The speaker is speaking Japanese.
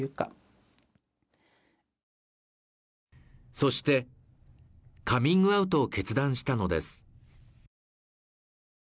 そしてカミングアウトを決断したのです